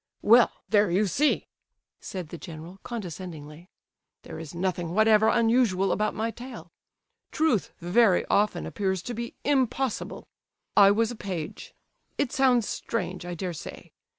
"Well, there you see!" said the general, condescendingly. "There is nothing whatever unusual about my tale. Truth very often appears to be impossible. I was a page—it sounds strange, I dare say.